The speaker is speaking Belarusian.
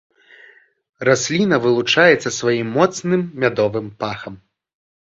Расліна вылучаецца сваім моцным мядовым пахам.